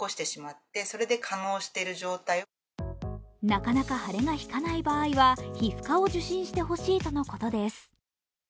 なかなか腫れが引かない場合は皮膚科を受診してほしいとのことです。